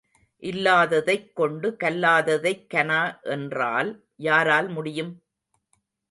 இல்லாததைக் கொண்டு கல்லாததைக் கனா என்றால் யாரால் முடியும்?